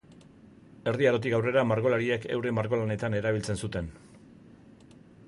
Erdi Arotik aurrera, margolariek euren margolanetan erabiltzen zuten.